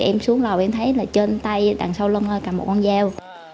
em xuống lầu em thấy là trên tay đằng sau lông cầm một con dao